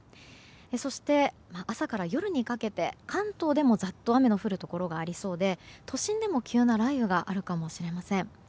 そして、朝から夜にかけて関東でもざっと雨の降るところがありそうで都心でも急な雷雨があるかもしれません。